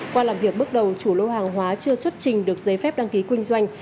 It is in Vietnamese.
qua làm việc bước đầu chủ lô hàng hóa chưa xuất trình được giấy phép đăng ký kinh doanh